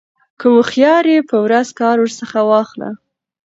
كه هوښيار يې په ورځ كار ورڅخه واخله